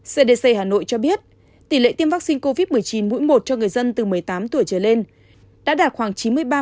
cdc hà nội cho biết tỷ lệ tiêm vaccine covid một mươi chín mũi một cho người dân từ một mươi tám tuổi trở lên đã đạt khoảng chín mươi ba